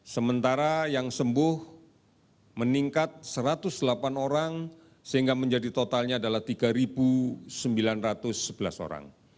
sementara yang sembuh meningkat satu ratus delapan orang sehingga menjadi totalnya adalah tiga sembilan ratus sebelas orang